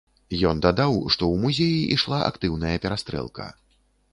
Ён дадаў, што ў музеі ішла актыўная перастрэлка.